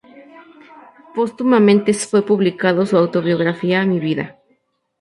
Póstumamente fue publicado su autobiografía "Mi vida".